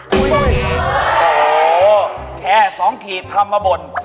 โหแค่๒ขีดทำมาบ่น